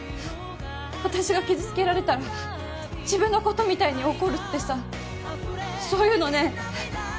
私が傷つけられたら自分のことみたいに怒るってさそういうのね